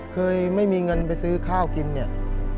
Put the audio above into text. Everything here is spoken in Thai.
เคยไม่มีเงินไปซื้อข้าวกินเนี่ย